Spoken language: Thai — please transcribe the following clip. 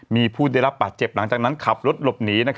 มีผู้ได้รับบาดเจ็บหลังจากนั้นขับรถหลบหนี